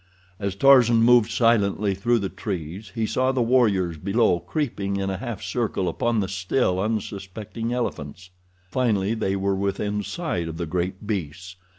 As Tarzan moved silently through the trees he saw the warriors below creeping in a half circle upon the still unsuspecting elephants. Finally they were within sight of the great beasts.